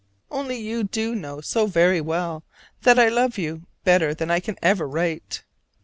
Only you do know so very well that I love you better than I can ever write.